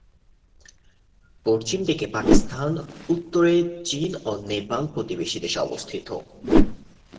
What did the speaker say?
পশ্চিম দিকে পাকিস্তান, উত্তরে চীন ও নেপাল প্রতিবেশী দেশ অবস্থিত।